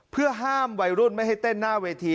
เพื่อห้ามวัยรุ่นไม่ให้เต้นหน้าเวที